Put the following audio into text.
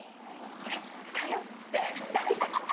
「これ使うよ」っつって出してきたんですよ。